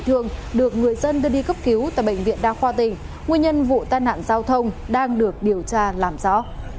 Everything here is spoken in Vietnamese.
thương được người dân đưa đi cấp cứu tại bệnh viện đa khoa tỉnh nguyên nhân vụ tai nạn giao thông đang được điều tra làm rõ